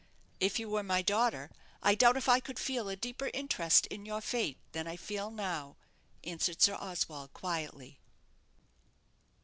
"If you were my daughter, I doubt if I could feel a deeper interest in your fate than I feel now," answered Sir Oswald, quietly.